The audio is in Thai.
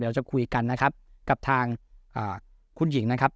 เดี๋ยวจะคุยกันนะครับกับทางคุณหญิงนะครับ